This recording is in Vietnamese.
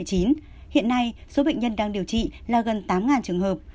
hiện nay số bệnh nhân đang điều trị là gần tám trường hợp